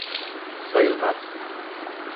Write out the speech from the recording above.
Sayılmaz.